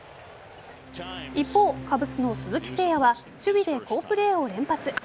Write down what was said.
一方、カブスの鈴木誠也は守備で好プレーを連発。